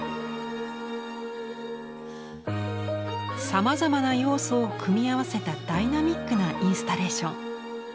さまざまな要素を組み合わせたダイナミックなインスタレーション。